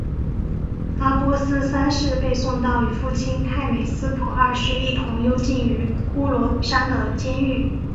阿拔斯三世被送到与父亲太美斯普二世一同幽禁于呼罗珊的监狱。